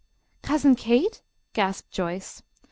"Cousin Kate?" gasped Joyce.